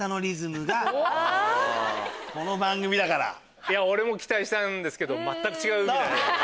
この番組だから。俺も期待したんですけど全く違うみたい。